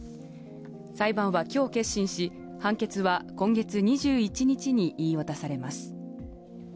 裁判はきょう結審し、判決は今月２１日に言い渡されます。